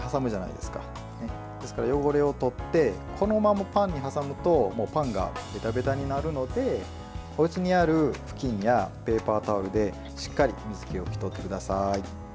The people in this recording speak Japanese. ですから汚れを取ってこのままパンに挟むとパンがべたべたになるのでおうちにある布巾やペーパータオルでしっかり水けを拭き取ってください。